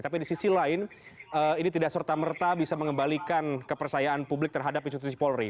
tapi di sisi lain ini tidak serta merta bisa mengembalikan kepercayaan publik terhadap institusi polri